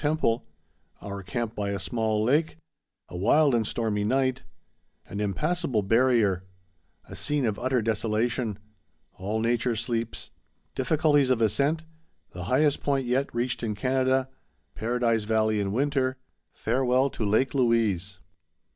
Temple—Our Camp by a Small Lake—A Wild and Stormy Night—An Impassable Barrier—A Scene of Utter Desolation—All Nature Sleeps—Difficulties of Ascent—The Highest Point yet Reached in Canada—Paradise Valley in Winter—Farewell to Lake Louise.